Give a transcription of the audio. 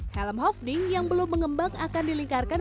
helm hofding yang belum mengembang akan dilingkarkan